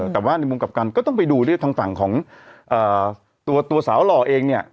แต่ว่าในมุมกลับกันก็ต้องไปดูด้วยทางฝั่งของตัวสาวหล่อเองเนี่ย